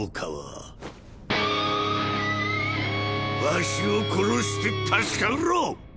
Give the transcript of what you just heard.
わしを殺して確かめろ！